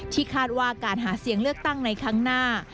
คาดว่าการหาเสียงเลือกตั้งในครั้งหน้า